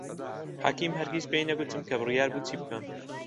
حەکیم هەرگیز پێی نەگوتم کە بڕیار بوو چی بکەم.